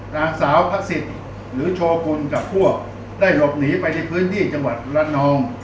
นางสาวพระศิษย์หรือโชกุลกับพวกได้หลบหนีไปในพื้นที่จังหวัดละนอง